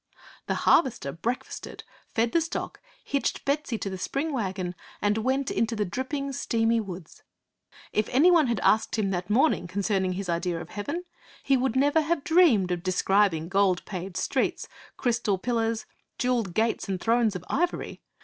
The Harvester breakfasted, fed the stock, hitched Betsy to the spring wagon, and went into the dripping, steamy woods. If any one had asked him that morning concerning his idea of heaven, he would never have dreamed of describing gold paved streets, crystal pillars, jewelled gates, and thrones of ivory.